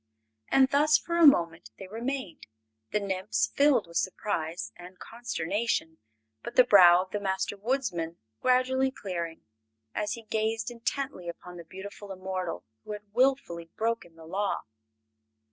And thus for a moment they remained, the nymphs filled with surprise and consternation, but the brow of the Master Woodsman gradually clearing as he gazed intently upon the beautiful immortal who had wilfully broken the Law.